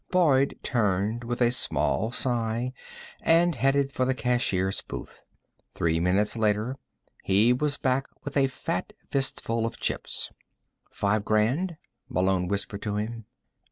Boyd turned with a small sigh and headed for the cashier's booth. Three minutes later, he was back with a fat fistful of chips. "Five grand?" Malone whispered to him.